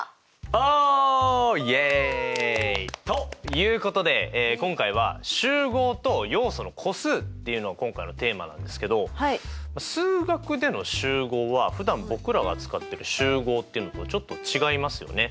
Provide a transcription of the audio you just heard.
フウ！ということで今回は「集合と要素の個数」っていうのが今回のテーマなんですけど数学での集合はふだん僕らが使ってる集合っていうのとちょっと違いますよね。